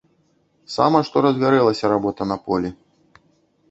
Сама што разгарэлася работа на полі.